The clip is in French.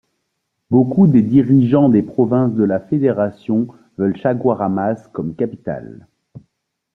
Beaucoup des dirigeants des provinces de la fédération veulent Chaguaramas comme capitale.